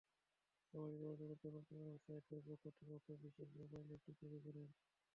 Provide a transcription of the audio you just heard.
সামাজিক যোগাযোগের জনপ্রিয় ওয়েবসাইট ফেসবুক কর্তৃপক্ষ বিশেষ মোবাইল অ্যাপটি তৈরি করেছে।